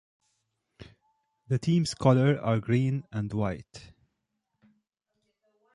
The team's colours are green, and white.